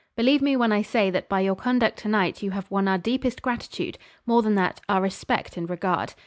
Believe me when I say that by your conduct to night you have won our deepest gratitude more than that, our respect and regard.